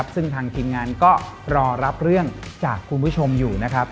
ซึ่งทางทีมงานก็รอรับเรื่องจากคุณผู้ชมอยู่นะครับ